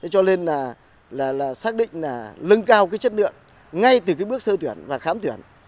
cho nên là xác định lưng cao chất lượng ngay từ bước sơ tuyển và khám tuyển